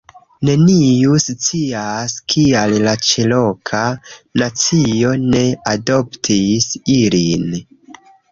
Neniu scias kial la Ĉeroka nacio ne adoptis ilin